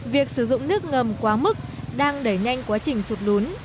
việc sử dụng nước ngầm quá mức đang đẩy nhanh quá trình sụt lún